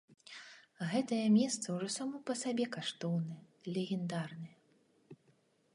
Гэтае месца ўжо само па сабе каштоўнае, легендарнае.